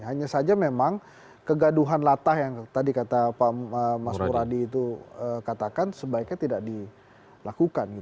hanya saja memang kegaduhan latah yang tadi kata mas muradi itu katakan sebaiknya tidak dilakukan